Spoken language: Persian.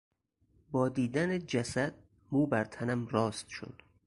با دیدن جسد مو بر تنم راست شد.